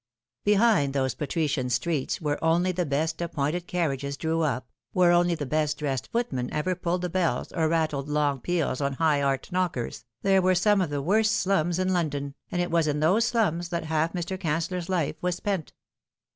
Behind those patrician streets where only the best appointed carriages drew up, where only the best dressed footmen ever pulled the bells or rattled long peals on high art knockers, there were some of the worst slums in London, and it was in those slums that half Mr. Cancellor's life was spent.